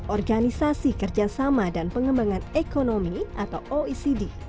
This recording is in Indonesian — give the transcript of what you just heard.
organisasi kerjasama dan pengembangan ekonomi atau oecd